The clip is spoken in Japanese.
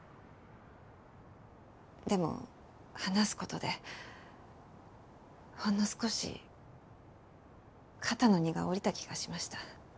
でも話す事でほんの少し肩の荷が下りた気がしました。